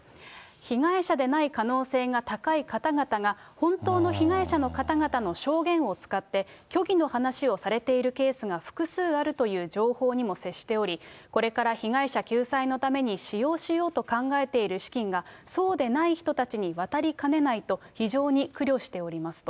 被害者でない可能性が高い方々が、本当の被害者の方々の証言を使って、虚偽の話をされているケースが複数あるという情報にも接しており、これから被害者救済のために使用しようと考えている資金が、そうでない人たちに渡りかねないと非常に苦慮しておりますと。